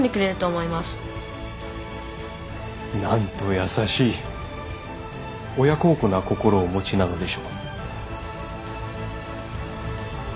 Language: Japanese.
なんと優しい親孝行な心をお持ちなのでしょう。